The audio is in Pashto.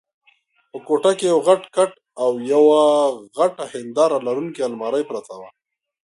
په کوټه کې یو غټ کټ او یوه غټه هنداره لرونکې المارۍ پرته وه.